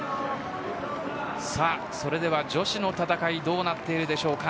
それでは女子の戦いどうなっているでしょうか。